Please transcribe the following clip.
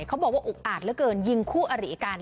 เขาบอกว่าอุกอาจแล้วเกินยิงคู่อริการ